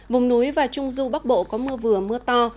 vùng núi và trung du bắc bộ có mưa vừa mưa to